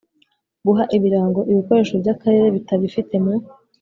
Guha ibirango ibikoresho by Akarere bitabifite mu